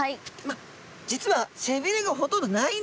まあ実はせびれがほとんどないんですね。